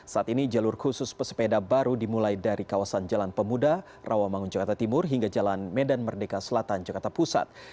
saat ini jalur khusus pesepeda baru dimulai dari kawasan jalan pemuda rawamangun jakarta timur hingga jalan medan merdeka selatan jakarta pusat